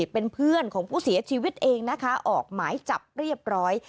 เป็นเพื่อนของผู้เสียชีวิตเองนะคะออกหมายจับเรียบร้อย